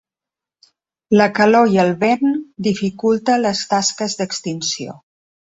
La calor i el vent dificulta les tasques d’extinció.